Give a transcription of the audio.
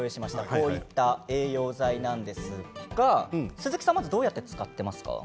こういった栄養剤なんですが鈴木さん、どうやって使ってますか？